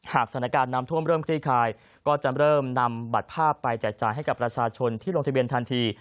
สถานการณ์น้ำท่วมเริ่มคลี่คลายก็จะเริ่มนำบัตรภาพไปแจกจ่ายให้กับประชาชนที่ลงทะเบียนทันที